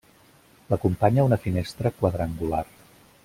L'acompanya una finestra quadrangular.